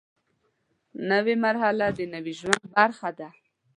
نوې مرحله د نوي ژوند برخه ده